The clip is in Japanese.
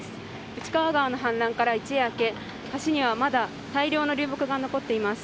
内川川の氾濫から一夜明け橋にはまだ大量の流木が残っています。